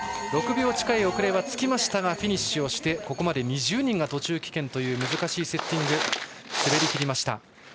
６秒近い遅れはつきましたがフィニッシュしてここまで２０人が途中棄権という難しいセッティングを滑りきりました。